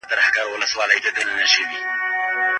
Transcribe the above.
ړوند هلک له ډاره په اوږه باندي مڼه ساتي.